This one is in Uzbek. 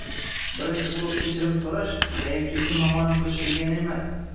Birinchi bo‘lib kechirim so‘rash – zaiflikni namoyon qilish degani emas.